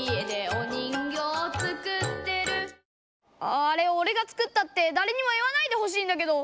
あああれおれが作ったってだれにも言わないでほしいんだけど。